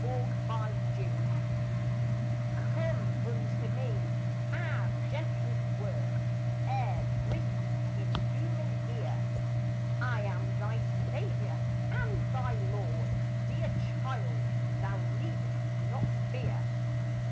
COME UNTO ME "Come unto me!" Ah, gentlest word E'er breathed in human ear! "I am thy Savior and thy Lord; Dear child, thou need'st not fear.